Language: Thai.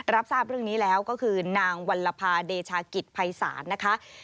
รับทราบเรื่องนี้แล้วก็คือนางวัลภาเดชากิจภัยศาลนะคะ